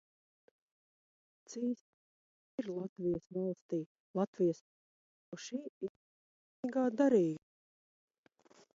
Kāds īsti ieguvums ir Latvijas valstij, Latvijas tautai no šī it kā veiksmīgā darījuma?